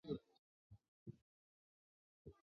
小律师大作为是美国的一部喜剧电视剧。